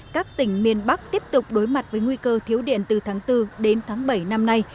các tỉnh miền bắc tiếp tục đối mặt với nguy cơ thiếu điện từ tháng bốn đến tháng bảy năm nay